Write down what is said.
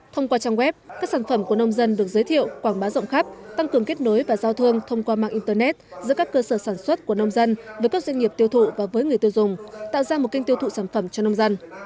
thông qua trang web các sản phẩm của nông dân được giới thiệu quảng bá rộng khắp tăng cường kết nối và giao thương thông qua mạng internet giữa các cơ sở sản xuất của nông dân với các doanh nghiệp tiêu thụ và với người tiêu dùng tạo ra một kênh tiêu thụ sản phẩm cho nông dân